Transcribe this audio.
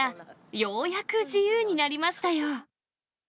ようやく自由になりましたよ。